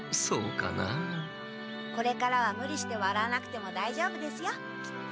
これからはムリしてわらわなくてもだいじょうぶですよきっと。